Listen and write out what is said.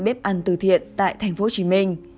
bếp ăn từ thiện tại tp hcm